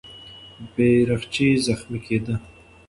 بیرغچی زخمي کېده.